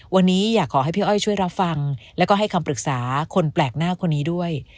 วันนี้อยากขอให้พี่อ้อยช่วยรับฟังแล้วก็ให้คำปรึกษาคนแปลกหน้าคนนี้ด้วย